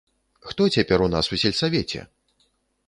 Хто цяпер у нас у сельсавеце?!